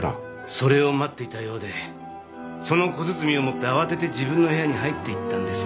それを待っていたようでその小包を持って慌てて自分の部屋に入っていったんですが。